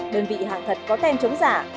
đơn vị hàng thật có tem chống giả